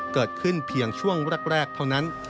เกิดขึ้นเพียงช่วงแรกเท่านั้น